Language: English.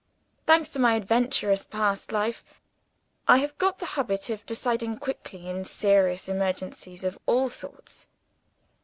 Thanks to my adventurous past life, I have got the habit of deciding quickly in serious emergencies of all sorts.